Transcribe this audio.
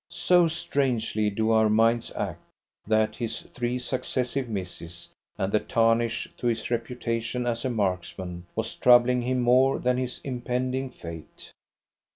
So strangely do our minds act that his three successive misses, and the tarnish to his reputation as a marksman, was troubling him more than his impending fate.